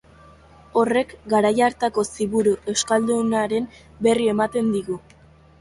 Horrek garai hartako Ziburu euskaldunaren berri ematen digu.